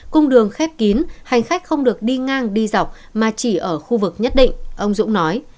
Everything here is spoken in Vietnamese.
cung đường khép kín hành khách không được đi ngang đi dọc mà chỉ ở khu vực nhất định ông dũng nói